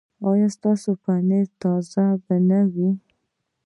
ایا ستاسو پنیر به تازه نه وي؟